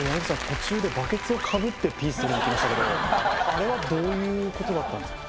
途中でバケツをかぶってピース取りに行きましたけどあれはどういうことだったんですか？